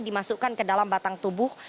dimasukkan ke dalam batang tubuh